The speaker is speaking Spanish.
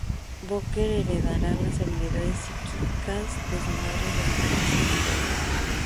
Booker heredará las habilidades psíquicas de su madre durante la secundaria.